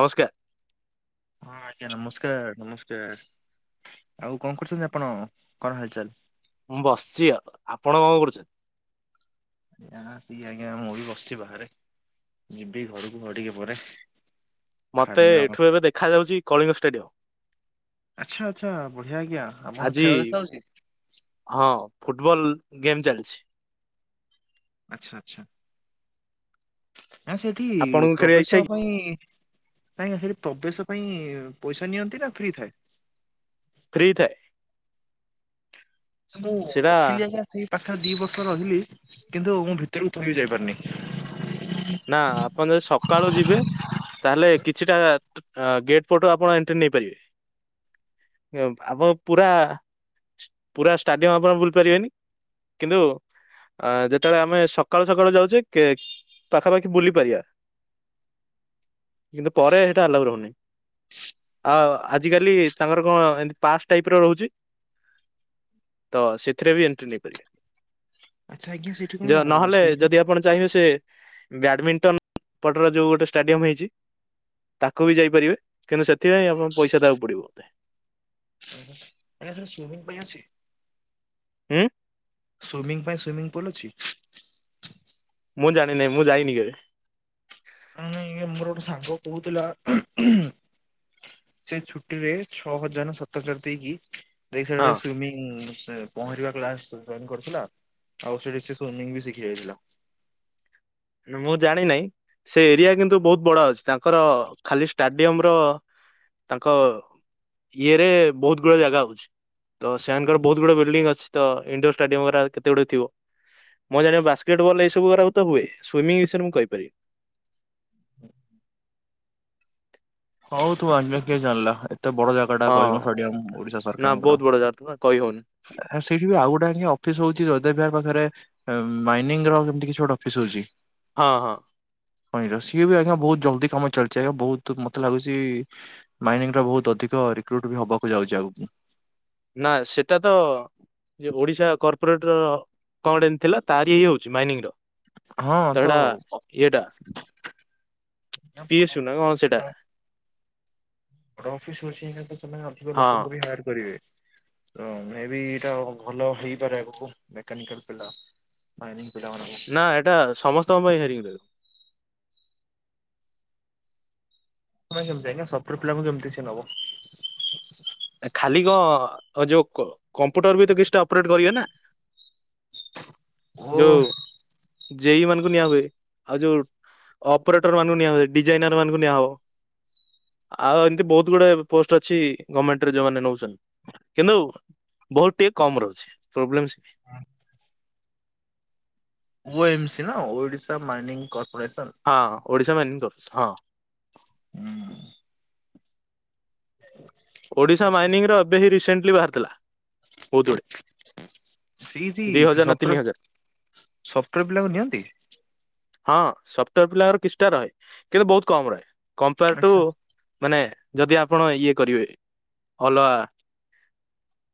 ନମସ୍କାର। ହଁ ଆଜ୍ଞା ନମସ୍କାର ନମସ୍କାର। ଆଉ କଣ କରୁଚନ୍ତି ଆପଣ କଣ ହଲଚାଲ? ମୁଁ ବସିଚି ଆଉ ଆପଣ କଣ କରୁଚନ୍ତି? ଆ ସିଏ ଆଜ୍ଞା ମୁଁ ବି ବସିଚି ବାହାରେ। ଯିବି ଘରକୁ ଆଉ ଟିକେ ପରେ। ମତେ ଖାଦ୍ୟ ଏଠୁ ଏବେ ଦେଖାଯାଉଚି କଳିଙ୍ଗ ଷ୍ଟାଡିୟମ। ଆଚ୍ଛା ଆଚ୍ଛା ବଢିଆ ଆଜ୍ଞା ଆମ ଆଜି ଖେଳ ଦେଖା ଯାଉଚି? ଫୁଟବଲ୍ ଗେମ୍ ଚାଲିଚି। ଆଛା ଆଛା ନା ସେଠି ଆପଣଙ୍କୁ ଖେଳିବା ଇଚ୍ଛା ପ୍ରବେଶ କି? ପାଇଁ ନାଇଁ ସେଠି ପ୍ରବେଶ ପାଇଁ ପଇସା ନିଅନ୍ତି ନା ଫ୍ରି ଥାଏ? ଫ୍ରୀ ଥାଏ। ମୁଁ ସେଟା ରହିଲି [unintelligible] ପାଖରେ ଦି ବର୍ଷ ରହିଲି କିନ୍ତୁ ମୁଁ ଭିତରକୁ ଥରେ ବି ଯାଇପାରିନି। ନା ଆପଣ ଯଦି ସକାଳୁ ଯିବେ ତାହେଲେ କିଛିଟା ଗେଟ୍ ପଟ ଆପଣ ଏଣ୍ଟ୍ରି ନେଇପାରିବେ। ଆପଣ ପୁରା ପୁରା ଷ୍ଟାଡିୟମ ଆପଣ ବୁଲି ପାରିବେନି କିନ୍ତୁ ଯେତେବେଳେ ଆମେ ସକାଳୁ ସକାଳୁ ଯାଉଚେ ପାଖାପାଖି ବୁଲି ପାରିବା କିନ୍ତୁ ପରେ ହେଇଟା ଆଲାଉ ରୋହୁନି ଆଉ ଆଜି କାଲି ତାଙ୍କର କଣ ଏମ ପାଷ୍ଟ ଟାଇପର ରୋହୁଚି। ତ ସେଥିରେ ବି ଏଣ୍ଟ୍ରି ନେଇପାରିବେ। ଆଚ୍ଛା ଆଜ୍ଞା ସେଇଠି କଣ ଯ ନହେଲେ ସୁଇମିଂ ଯଦି ଆପଣ ଚାହିଁବେ ସେ ବ୍ୟାଡମିଣ୍ଟନ ପଟର ଯୋଉ ଗୋଟେ ଷ୍ଟାଡିୟମ ହେଇଚି ତାକୁ ବି ଯାଇପାରିବେ କିନ୍ତୁ ସେଥିପାଇଁ ଆପଣଙ୍କୁ ପଇସା ଦେବାକୁ ପଡିବ ବୋଧେ। ଉଁ ହୁଁ ଏଇରା କଣ ସୁମିଙ୍ଗ ପାଇଁ ଆସଚି? ଉଁ? ସୁଇମିଂ ପାଇଁ ସୁଇମିଂ ପୁଲ ଅଛି? ମୁଁ ଜାଣି ନେଇଁ ମୁଁ ଯାଇନି କେବେ? ମାନେ ମୋର ଗୋଟେ ସାଙ୍ଗ କୋହୁଥିଲା ସେ ଛୁଟି ରେ ଛଅ ହଜଣ ସତକାର ଦେଇକି ହଁ। ଦେଇସାରା ସେ ସୁମିଂ ପହଁରିବା କ୍ଲାସ ଜ-ଜଏନ୍ କରିଥିଲା ଆଉ ସେଠିି ବି ଶିଖି ଯାଇଥିଲା। ମୁଁ ଜାଣିିନେଇଁ ସେ ଏରିଆ କିନ୍ତୁ ବୋହୁତ ବଡ ଅଛି ତାଙ୍କର ଖାଲି ଷ୍ଟାଡିୟମର ତାଙ୍କ ଇଏରେ ବୋହୁତ ଗୁଡେ ଜାଗା ହୋଉଚି। ତ ସେମାନଙ୍କର ବୋହୁତ ଗୁଡେ ବିଲ୍ଡିଙ୍ଗ ଅଛି ତ ଇଣ୍ଡୋର ଷ୍ଟାଡିୟମା କେତେ ଗୁଡେ ଥିବ। ମୁଁ ଜାଣିବା ବାସ୍କେଟ ବଲ୍ ଏଇ ସବୁ ଗୁରାକୁ ତ ହୁଏ। ସ୍ଵିମିଂ ବିଷୟରେ ମୁଁ କହିପାରିବି। ହଉ ତୁ ଅନ୍ୟ କିଏ ଜାଣିଲା ପରେ ଏତେ ବଡ ଜାଗା ଟା ହଁ କଳିଙ୍ଗ ଡିୟମ ଓଡିଶା ନା ସରକାରଙ୍କର ବହୁତ ବଡ ଜାଗା ତ ନା କହି ହଉନି ସେଇଠି ବି ଆଉ ଗୋଟେ ଅଫିସ ହଉଛି ଜୟଦେବ ବିହାର ପାଖରେ ଆଃ ମାଇନିଙ୍ଗ ର ଏ ମିତି କିଛି ଗୋଟେ ଅଫିସ ରହୁଛି। ହଁ ହଁ। ହଇର ସିଏ ବି ଆଜ୍ଞା ବହୁତ ଜଲଦ କାମଲିଛି ଆଜ୍ଞା ବହୁତ ମତେ ଲାଗୁଛି ମାଇନିଂ ଟା ବହୁତ ଅଧିକ ରିକ୍ରୁଟ ବି ହବାକୁ ଯାଉଛି ଆଗକୁ। ନା ସେଟା ତ ଓଡିଶା କର୍ପୋରେଟର କଣ ଥିଲା ତାରି ଇ ହଉଛି ମାଇନିଂ ର ତ ଏଟା ଇଏଟା ପିଏ ଶୁନା କଣ ହଉଛି ସେଟା ଗୋଟେ ଅଫିସ ସେମାନେ ଅଧିକ ହଁ ଲୋକଙ୍କୁ ବି ହାୟାର କରିବେ। ତ ମେ ବି ଏଇଟା ଭଲ ହେଇପାରେ ଆଗକୁ ମେକାନିକାଲ ପିଲା। [unintelligible] ନା ଏଟା ସମସ୍ତଙ୍କ ପାଇଁ ହେରିଙ୍ଗ ରହିବ। କେମତି ଆଜ୍ଞା ସପ୍ଟଓୟାର ପିଲାଙ୍କୁ କେମିତି ସିଏ ନବ ଖାଲି କଣ ଯୋଉ କମ୍ପୁଟର ବି ତ କିଛିଟା ଅପରେଟ କରିବେ ନା। ଓ। ଯୋଉ ଜେଇ ମାନଙ୍କୁ ନିଆ ହୁଏ ଆଉ ଯୋଉ ଅପରେଟର ମାନଙ୍କୁ ନିଆ ଡିଜାଇନର ମାନଙ୍କୁ ନିଆହବ। ଆଉ ଏମତି ବହୁତ ଗୁଡ଼ାଏ ପୋଷ୍ଟ ଅଛି ଗର୍ମେଣ୍ଟ ରେ ନଉଚନ୍ତି କିନ୍ତୁ ବହୁତ ଟିକେ କମ ରହୁଛି ପ୍ରୋବ୍ଲେ ହଁ। ଓ ଏମ ସି ନା ଓଡିଶା ମାଇନିଂ କର୍ପୋରେସନ ହଁ ଓଡିଶା ମାଇନିଙ୍ଗ ଅଫିସ ହଁ। ହୁଁ। ହ। ଓଡ଼ିଶା ମାଇନିଂର ଏବେ ହିଁ ରିସେଣ୍ଟଲି ବାହାରିଥିଲା ବହୁତ ଗୁଡେ। ସେଇଟି ଦି ହଜାର ନା ସଫ୍ଟାର ତିନି ହଜାର ସଫ୍ଟାର ପିଲାକୁ ନିଅନ୍ତି? ହଁ ସଫ୍ଟାର ପିଲାଙ୍କର କିଛି ଟା ରହେ କିନ୍ତୁ ବହୁତ କମ ରହେ। କମ୍ପେୟାର ଟୁ ଆଚ୍ଛା ମାନେ ଯଦି ଆପଣ ଇଏ କରିବେ। ଅଲଗା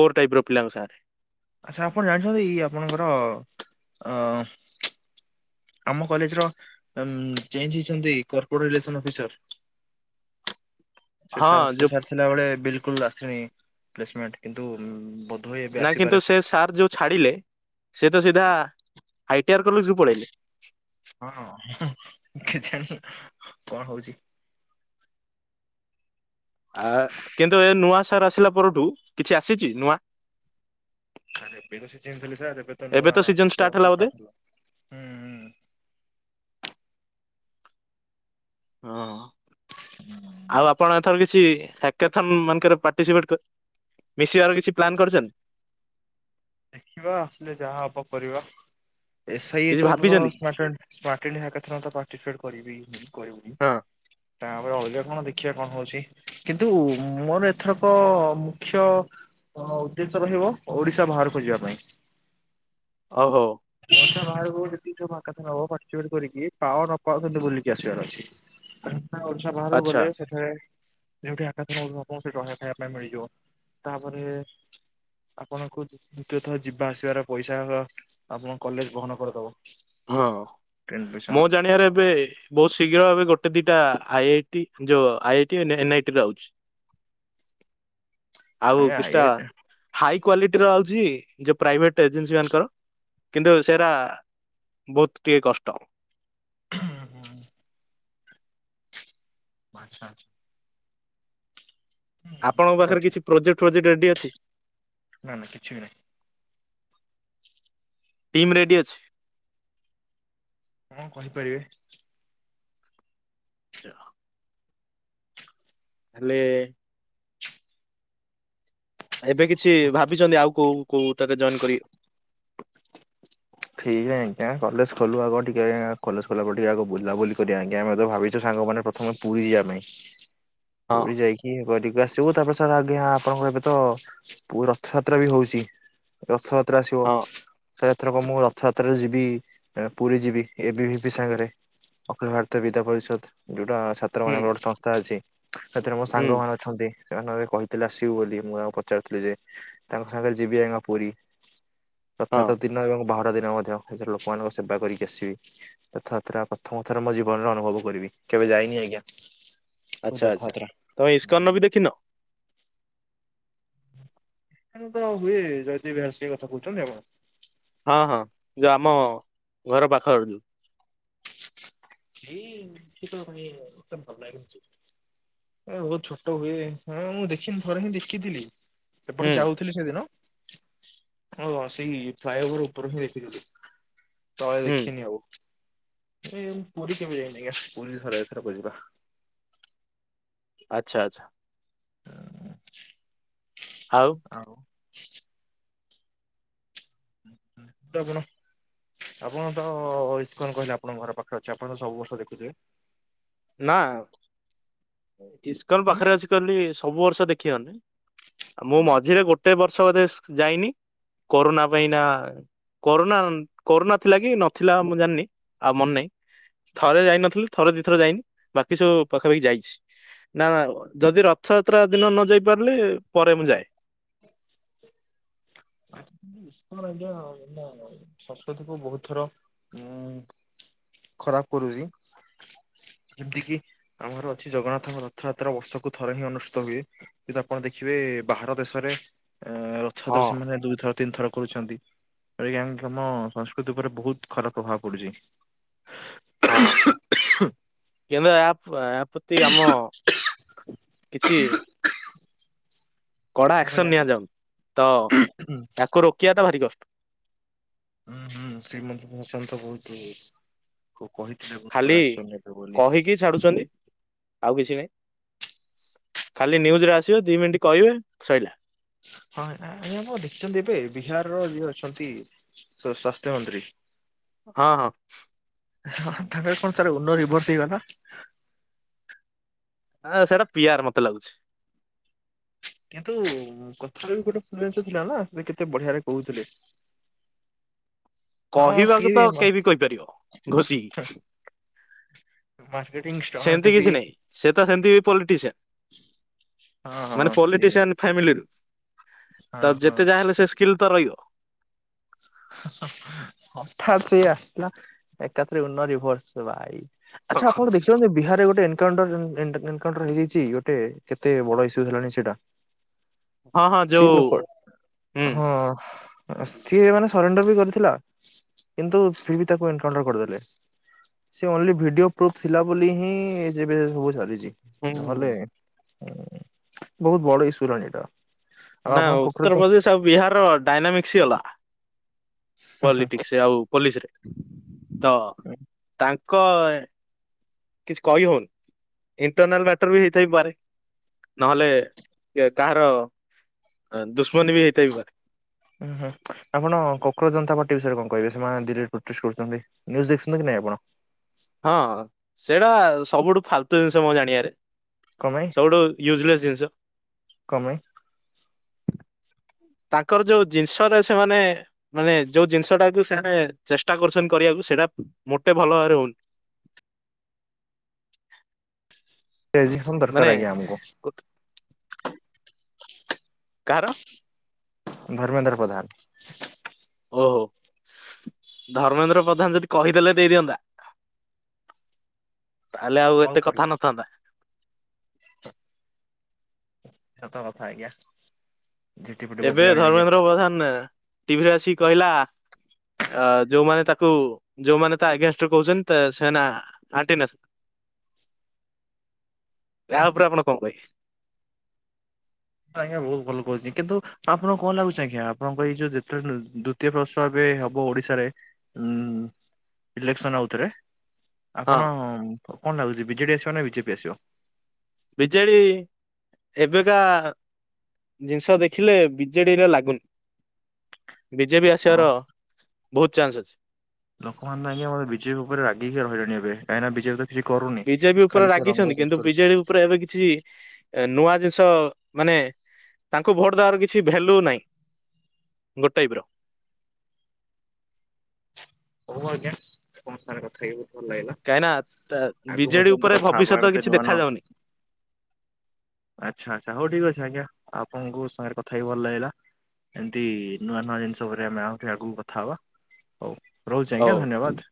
କୋର୍ ଟାଇପ ର ପିଲା ଙ୍କ ସାଙ୍ଗରେ। ଆଛା ଆପଣ ଜାଣିଛନ୍ତି ଇ ଆପଣଙ୍କର ଅ ଆମ କଲେଜ ର ଚେଞ୍ଜ ହେଇଛନ୍ତି କର୍ପୋଟରିଲେସନ ଅଫିସର। [unintelligible] ସେ ହଁ ସାର୍ ସେ ଯୋଉ ସାର୍ ଥିଲା ବଳେ ବିଲକୁଲ ଆସିନି ପ୍ଲେସମେଣ୍ଟ କିନ୍ତୁ ବୋଧହୁଏ ଏବେ ନା ଆସିପାରେ କିନ୍ତୁ ସେ ସାର୍ ଯୋଉ ଛାଡିଲେ ସେ ତ ସିଧା ଆଇଟିଆର କଲେଜକୁ ପଳେଇଲେ ହଁ କେଜାଣି କଣ ହଉଛି? ଆ କିନ୍ତୁ ଏ ନୂଆ ସାର୍ ଆସିଲା ପରଠୁ କିଛି ଆସିଚି ନୂଆ? ଆ ଏବେ ତ ସେ ଚେଞ୍ଜ ଲି ସାର୍ ଏବେ ତ ନୂଆ କିର୍ଷ ଷ୍ଟାର୍ଟ ଥିଲା। ହୁଁ ହୁଁ। ହଁ ଆଉ ଆପଣ ଏଥର କିଛି କେଥନ ମାନଙ୍କର ପାର୍ଟିସିପେଟ ମିଶିବାର କିଛି ପ୍ଲାନ୍ କରିଛନ୍ତି? ଦେଖିବା ଆସିଲେ ଯାହା ହବ କରିବା। ଏସ୍ ଆଇ କିଛି ଏସ୍ ଭବ ଭାବିଛନ୍ତି [unintelligible] ପାଟିସିପେଟ୍ କରିବି ହିଁ କରିବି। ହଁ ତାପରେ ଅଲଗା କଣ ଦେଖିବା କଣ ହଉଛି କିନ୍ତୁ ମୋର ଏଥରକ ମୁଖ୍ୟ ଉଦ୍ଦେଶ୍ୟ ରହିବ ଓଡିଶା ବାହାରକୁ ଯିବା ପାଇଁ। ଓ ହୋ। ଓଡ଼ିଶା ବାହାରକୁ ଯଦି [unintelligible] ପାଟିସିପେଟ୍ କରିକି ପାଅ ନପାଅ କିନ୍ତୁ ବୁଲିକି ଆସିବାର ଅଛି। ଓଡ଼ିଶା ବାହାରକୁ ଆଚ୍ଛା ଗଲେ ସେଠାରେ ଯୋଉଠି ଆକାଶ ଆପଣ ସେଇଠୁ ଆ ଖାଇବା ପାଇଁ ମିଳିଯିବ ତାପରେ ଆପଣଙ୍କୁ ଦ୍ଵିତୀୟ ଥର ଯିବା ଆସିବାର ପଇସା ଆପଣ କଲେଜ ବହନ କରିଦବ। ହଁ ଟ୍ରେନ ପଇସା ମୋ ତ ଜାଣିବାରେ ଏବେ ବହୁତ ଶୀଘ୍ର ଭାବେ ଗୋଟେ ଦିଟା ଆଇ ଆଇ ଟି ଯୋଉ I I T N I T ରୁ ଆଉଚି। ଆଉ ଆଜ୍ଞା କିଛିଟା ଏଇଟା ହାଇ କ୍ଵାଲି ଟିର ଆଉଚି ଯୋଉ ପ୍ରାଇଭେଟ ଏଜେନ୍ସି ମାନଙ୍କର କିନ୍ତୁ ସେଇଟା ବୋହୁତ ଟିଏ କଷ୍ଟ। ହଁ ହଁ। ଆଚ୍ଛା ଆଚଛା। ଆପଣଙ୍କ ପାଖରେ ଅଛି କିଛି ପ୍ରୋଜେକ୍ଟ ଫୋଜେକ୍ଟ ରେଡି ଅଛି। ନା ନା କିଛି ବି ନାହିଁ ଟିମ୍ ରେଡି ଅଛି। ହଣ କହିପାରିବେ ଆଛ। ଆଲେ ଏବେ କିଛି ଭାବିଛନ୍ତି ଆଉ କୋଉ କୋଉ ତାକ ଜଏନ୍ କର ଠିକ ଆଜ୍ଞା କଲେଜ ଖଲୁ ଆ ଟିକେ କଲେଜ କଲା ପରେ ଟିକେ ଆ ବୁଲାବୁଲି କରିବା ଆଜଞାମେ ଭାବୁଙ୍ଗ ମାନେ ପ୍ରଥମେ ପୁରୀ ଯିବା ପାଇଁ ହଁ ପୁରୀ ଯାଇକି। ଆସିବୁ ତାପରେ ସାର୍ା ଆଜ୍ଞା ଆପଣଙ୍କର ଏବେ ତ ରଥଯାତ୍ରା ବି ହଉଛି ରଥ। ଆସିବ ହଁ ସେ ାତରେ ଯିବି ପୁରୀ ଯିବି ଏବେ ବି ସାଙ୍ଗରେ ଅଖିଳ ଭାରତୀୟ ବିଦ୍ୟା ପରିଷଦୁ ଗ ଛାତ୍ର ହୁଁ ମାନଙ୍କର ଗୋଟେ ସଂସ୍ଥା ଅଛି ସେଥିରେ ମୋ ସାଙ୍ଗ ହୁଁ ମାନ ଅଛନ୍ତି ସେମାନଙ୍କ କହିଥିଲେ ଆସିବୁ ବୋଲି ମୁଁ ତାଙ୍କୁ ପଚାରୁଥିଲି ଯେ ତାଙ୍କ ସାଙ୍ଗରେ ଯିବି ଆଜ୍ଞା ପୁରୀ ହଁ ଯଥଥ ଦିନ ଏବଂ ବାହାର ଖଟ ଦିନ ମଧ୍ୟ ସେଥିରେ ଲୋକମାନଙ୍କ ସେବା କରିକି ଆସିବି ଯଥାଯାତ୍ରା ପ୍ରଥମ ଥର ମୋ ଜୀବନରେ ଅନୁଭବ କରିବି। କେବେଜାାଇ ନି ହେଗ। ଆଚଛା ଆଚ୍ଛା ତମେ ଇସ୍କନ ବି ଦେଖିନ ତ ହୁଏ ଜୟଦୀବ ବିହ ସେ କଥା କହୁଛନ୍ତି ଆପଣ ହଁ ହଁ ଯଉ ଆମ ଘର ପାଖ ଯୁ ଏ ସେିକ ପାଇଁ ଉତମ ଭବୁ ଏ ବହୁତ ଛୋଟ ହୁଏ ହଁ ମୁଁ ଦେଖିନି ଥରେ ହିଁ ଦେଖିଥିଲି। ଏପଟେ ହୁଁ ଯାଉଥିଲି ସେଦିନ ହଁ ସେଇ ଫ୍ଲାଇ ଓଭର ଉପର ହିଁ ଦେଖିଥିଲୁ ତଳେ ହୁଁ ଦେଖିନି ଆଉ। ପୁରୀ କେମିତି ଯାଇନି ଆଜ୍ଞା ପୁରୀ ଥର ଏଥରେ ବଜିବା ଆଚ୍ଛା ଆଚ୍ଛା। ହ ଆଉ। କଣ ଆପଣ ତ ଇସ୍କନ କହିଲେ ଆପଣଙ୍କ ଘର ପାଖରେ ଅଛି ଆପଣ ତ ସବୁ ବର୍ଷ ଦେଖିଥିବେ। ନା ଇସ୍କନ ତମେ ପାଖରେ ଆସି କିଲ। ସବୁ ବର୍ଷ ଦେଖିବନି ଆଉ ମୁଁ ତମେ ମଝିରେ ଗୋଟେ ବର୍ଷ ବୋଧେ ଯାଇନି କରୋନା ପାଇଁ ନା କରୋନା କରୋନା ଥିଲା କି ନଥିଲା ମୁଁ ଜାଣିନି ଆଉ ମନେ ନାହିଁ ଥରେ ଯାଇନଥିଲି ଥରେ ଦି ଥର ଯାଇନି ବାକି ସବୁ ପାଖାପାଖି ଯାଇଛି ନା ନା ଯଦି ରଥଯାତ୍ରା ଦିନ ନ ଯାଇ ପାରିଲି ପରେ ମୁଁ ଯାଏ। ଆଜ୍ଞା ସରସ୍ଵତୀ କୁ ବହୁତ ଥର ଉ ଖରାପ କରୁଛି ଯେମିତି କିି ଆମର ଅଛି ଜଗନ୍ନାଥଙ୍କ ରଥଯାତ୍ରା ବର୍ଷକୁ ଥରେ ହିଁ ଅନୁଷ୍ଠିତ ହୁଏ ଯି ଆପଣ ଦେଖିବେ ଏ ବାହାର ଦେଶରେ ଅ ହଁ ରଥଯାତ୍ରା ସେମାନେ ଦୁଇଥର ତିନିଥର କରୁଛନ୍ତି। ଏଇ ଆମ ସଂସ୍କୃତି ଉପରେ ବହୁତ ଖରାପ ପ୍ରଭାବ ପଡୁଛି। ହଁ କିନ୍ତୁ ଏହା ପ୍ରତି ଆମ କିଛି କଡା କଣ ଆକ୍ସନ କହିଲେ କି ନିଆଯାଉ ତ ତାକୁ ରୋକିବା ତ ଭାରି କଷ୍ଟ ହୁଁ ହୁଁ ଶ୍ରୀମନ୍ଦିର ମସନ ତ ବହୁତ କହିଥିଲେ ବହୁତ ଖାଲି କଡ଼ା ଆକ୍ସନ ନେବେ ବୋଲି କହିକି ଛାଡୁଛନ୍ତି ଆଉ କିଛି ନାଇଁ ଖାଲି ନ୍ୟୁଜରେ ଆସିବେ ଦି ମିନଟି କହିବେ ସଇଲା। କଣ ହେଲା ଆଜ୍ଞା ମୋ ଡିଟେଲ ଦେଇପାରିବେ କି ବିହାରର ଯିଏ ଅଛନ୍ତି ସ୍ଵାସ୍ଥ୍ୟ ମନ୍ତ୍ରୀ। ହଁ ହଁ। ହଁ ତାଙ୍କର କଣ ସାର ଉନର ରିଭର୍ସ ହେଇଗଲା। ଆ ସେଇଟା ପି ଆର ମତେ ଲାଗୁଛି। କିନ୍ତୁ କଥା ରେ ବି ଗୋଟେ ପ୍ରୟାସ ଥିଲା ନା ସେ କେତେ ବଢିଆ ରେ କହୁଥିଲେ। ହଁ କହିବାକୁ ସିଏ ତ କେହି ବି କହିପାରିବ ଘୋଷିକି। ମାର୍କେଟ। ସେମିତି କିଛି ନାହିଁ ସେ ତ ସେମିତି ବି ପଲିଟିସିଆନ୍। ହଁ ମାନେ ହଁ ସିଏ ବି ପଲିଟିସିଆନ ଫ୍ୟାମିଲିରୁ ତ ହଁ ହଁ ଯେତେ ଯାହା ହେଲେ ସେ ସ୍କିଲ ତ ରହିବ। ହଠାତ୍ ସେଇ ଆସିଲା ଏକାଥରେ ଉନର ରିଭର୍ସ ରେ ଭାଇ। ଆଚ୍ଛା ଆପଣ ଦେଖିଛନ୍ତି ବିହାରରେ ଗୋଟେ। ଏନକୋଣ୍ଟର ଜ ଏନ ଏନ ଏନକୋଣ୍ଟର ହେଇଯାଇଚି ଗୋଟେ କେତେ ବଡ ଇସୂଜ ହେଲାଣି ସେଇଟା। ହଁ ହଁ ସେଇ ଯୋଉ ଲୋକ ହୁଁ। ହଁ ସ୍ତ୍ରୀ ହେବେନା। ସରେଣ୍ଡର ବି କରିଥିଲା କିନ୍ତୁ ଫିରବି ତାକୁ ଏନକାଣ୍ଟର କରିଦେଲେ। ସେ ଓନଲି ଭିଡିଓ ପ୍ରୁଫ୍ ଥିଲା ବୋଲି ହିଁ ଯେବେ ସବୁ ଚାଲିଛି। ହୁଁ ହୁଁ ହୁଁ। ନହେଲେ ବହୁତ ବଡ ଇସୁ ହେଲାଣି ଏଇଟା। ଆଉ ନା ଆପଣ କୋକରୋଚ ଉତ୍ତରପ୍ରଦେଶ ଆଉ ବିହାର ର ଡାଇନାମିକ୍ସ ଇ ଅଲଗା। ହୁଁ ହୁଁ ପୋଲିଟିକ୍ସ ଆଉ ପଲିସିରେ ତ ତାଙ୍କ। କ ଏ କିଛି କହି ହଉନି ଇଣ୍ଟରନାଲ ମ୍ୟାଟର ବି ହେଇଥାଇ ପରେ। ନ ହେଲେ କିଏ କାହାର। ଦୁଶ୍ମନୀ ବି ହେଇଥାଇ ପାରେ ହୁଁ ହୁଁ ଆପଣ କୋକରୋଜ ଜନତା ପାର୍ଟି ବିଷୟରେ କଣ। କହିବେ ସେମାନେ ଧୀରେ ସେ ପ୍ରତିଶୋଧ କରୁଛନ୍ତି ନ୍ୟୁଜ ଦେଖୁଛନ୍ତି କି ନାଇଁ ଆପଣ। ହଁ ସେଇଟା ସବୁଠୁ ଫାଲତୁ ଜିନିଷ ମୁଁ ଜାଣିବାରେ। କଣ ପାଇଁ ସବୁଠୁ ୟୁଜଲେସ୍ ଜିନିଷ। କଣ ପାଇଁ। ତାଙ୍କର ଯୋଉ ଜିନିଷ ରେ ସେମାନେ ମାନେ ଯୋଉ ଜିନିଷ ଟାକୁ ସେମାନେ ଚେଷ୍ଟା କରୁଛନ୍ତି କରିଆକୁ। ସେଇଟା ମୋଟେ ଭଲ ଭାବରେ ହଉନି। ରେଜିଗନେସନ ମାନେ ଦରକାର ଆଜ୍ଞା ଆମକୁ। କାହାର। ଧର୍ମେନ୍ଦ୍ର ପ୍ରଧାନ। ଓହୋ ଧର୍ମେନ୍ଦ୍ର ପ୍ରଧାନ ଯଦି କହିଦେଲେ ଦେଇଦିଅନ୍ତା। [inaudible] ତାହେଲେ ଆଉ ହଉ ଏତେ ପଡିବ କଥା ନଥାନ୍ତା। ସତ କଥା ଆଜ୍ଞା। ଝିଟି ପିଟି ଏବେ ବୋବେଇଲାଣି ଆଜ୍ଞା। ଧର୍ମେନ୍ଦ୍ର ପ୍ରଧାନ ଟିଭିରେ ଆସି କହିଲା। ଅ ଯୋଉମାନେ ତାକୁ ଯୋଉମାନେ ତା ଆଗେନଷ୍ଟ ରେ କହୁଛନ୍ତି ସେମାନେ ଆଣ୍ଟି ନେସ - [inaudible] ୟା ଉପରେ ଆପଣ କଣ କହିବେ। ଆଜ୍ଞା ବହୁତ ଭଲ କହୁଛି କିନ୍ତୁ ଆପଣ ଙ୍କୁ କଣ ଲାଗୁଛି ଆଜ୍ଞା ଆପଣଙ୍କ ଏଇ ଯୋଉ ଯେତେ ବେଳେ ଦ୍ୱିତୀୟ ବର୍ଷ ଏବେ ଏବେ ହବ ଓଡିଶା ରେ ଇଲେକ୍ସନ ଆଉଥରେ। ହଁ ଆପଣ କଣ ଲାଗୁଛି ବିଜେଡି ଆସିବ ନା ବିଜେପି ଆସିବ। ବିଜେଡି ଏବେକା। ଜିନିଷ ଦେଖିଲେ ବିଜେଡିରେ ଲାଗୁନି। ବିଜେପି ଆସିବାର ବହୁତ ଚାନସ୍ ଅଛି। ଲୋକ ମାନେ ବି ଆମର ବିଜେପି ଉପରେ ରାଗିକି ରହିଲେଣି ଏଵେ। କାହିଁକି ନା ବିଜେପି। କିଛି କରୁନି। ବିଜେପି ଉପରେ ଖାଲି ସେ ରଙ୍ଗ ରାଗିଛନ୍ତି ୟୁଜ କିନ୍ତୁ କରୁଛି ବିଜେଡି ଉପରେ ଏବେ କିଛି ନୂଆ ଜିନିଷ ମାନେ ତାଙ୍କୁ ଭୋଟ ଦବାର କିଛି ଭ୍ୟାଲୁ ନାହିଁ। ଗୋ ଟାଇପ୍ ର [unintelligible] ହୋଉ ଆଜ୍ଞା ତମ ସାଙ୍ଗରେ କଥା ହେଇକି ବୋ ଭଲ ଲାଗିଲା କାହିଁକି ନା ଆଗକୁ ବିଜେଡି ମଧ୍ୟ ଏମିତି ଉପରେ କଥା ହବା ଭବିଷ୍ୟତ ଆମିତି କିଛି ନୁଆ ଦେଖା ନୁଆ ଯାଉନି ଆଚ୍ଛା ଆଚ୍ଛା ହଉ ଠିକ୍ ଅଛି ଆଜ୍ଞା ଆପଣଙ୍କୁ ସାଙ୍ଗରେ କଥା ହେଇ ଭଲ ଲାଗିଲା। ଏମତି ନୂଆ ନୂଆ ଜିନିଷ ଉପରେ ଆମେ ଆହୁରି ଆଗକୁ କଥା ହବା ହୋଉ। ରହୁଚି ଆଜ୍ଞା ହଉ। ଧନ୍ୟବାଦ୍।